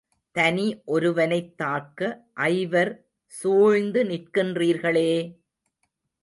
தனி ஒருவனைத் தாக்க ஐவர் சூழ்ந்து நிற்கிறீர்களே!